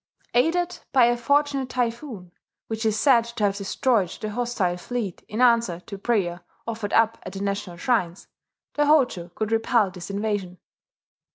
Aided by a fortunate typhoon, which is said to have destroyed the hostile fleet in answer to prayer offered up at the national shrines, the Hojo could repel this invasion.